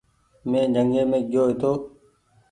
مينٚ جنگي مينٚ گيو هيتو